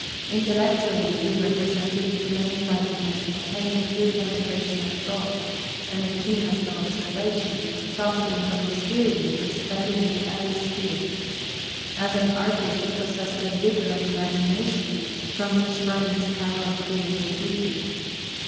Intellectually, he represented its many sidedness attained through penetration of thought, and a keenness of observation, profiting from experience, extended into every sphere. As an artist he possessed a vigour of imagination from which sprang his power of creating beauty.